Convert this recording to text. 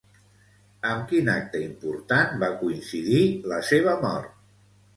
Amb quin acte important va coincidir la seva mort?